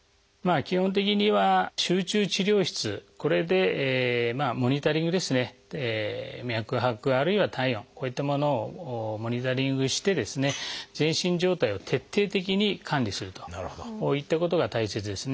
基本的には集中治療室これでモニタリング脈拍あるいは体温こういったものをモニタリングして全身状態を徹底的に管理するといったことが大切ですね。